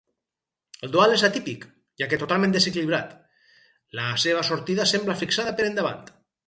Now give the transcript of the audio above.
El duel és atípic, ja que totalment desequilibrat: la seva sortida sembla fixada per endavant.